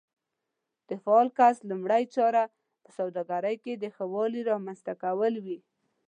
د فعال کس لومړۍ چاره په سوداګرۍ کې د ښه والي رامنځته کول وي.